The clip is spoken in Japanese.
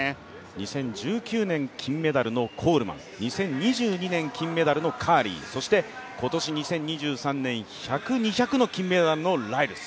２０１９年金メダルのコールマン、２０２２年金メダルのカーリー、そして今年２０２３年、１００、２００の金メダリストのライルズ。